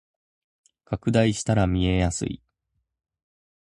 拡大したら見えやすい